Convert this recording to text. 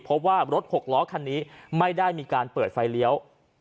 พบว่ารถหกล้อคันนี้ไม่ได้มีการเปิดไฟเลี้ยว